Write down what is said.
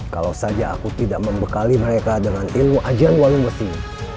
kalau saja aku tidak membekali mereka dengan ilmu ajang walhi mesin